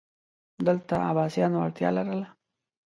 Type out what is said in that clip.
دلته عباسیانو اړتیا لرله